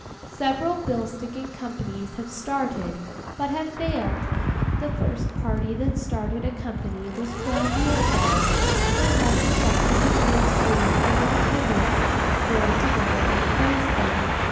Several bill sticking companies have started, but have failed. The first party that started a company was twelve year ago; but what was left of the old school and their dependants joined together and opposed them.